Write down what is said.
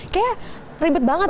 kayaknya ribet banget